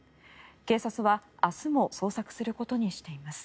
警察は明日も捜索することにしています。